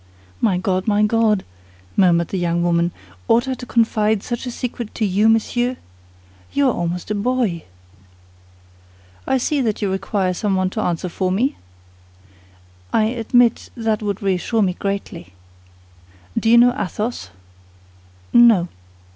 "My God, my God!" murmured the young woman, "ought I to confide such a secret to you, monsieur? You are almost a boy." "I see that you require someone to answer for me?" "I admit that would reassure me greatly." "Do you know Athos?" "No."